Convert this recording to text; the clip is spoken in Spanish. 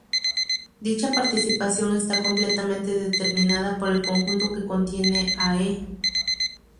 Dicha partición está completamente determinada por el conjunto que contiene a "e".